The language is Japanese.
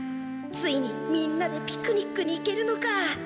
ついにみんなでピクニックに行けるのか。